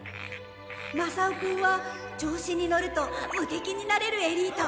「マサオくんは調子にのると無敵になれるエリート」